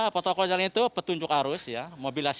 protokol jalan itu petunjuk arus ya